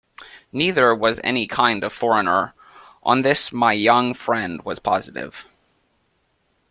Neither was any kind of foreigner; on this my young friend was positive.